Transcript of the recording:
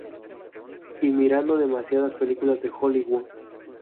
Y mirando demasiadas películas de Hollywood".